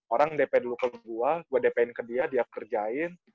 orang dp dulu ke gue gue dpin ke dia dia kerjain